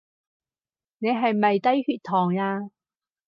你係咪低血糖呀？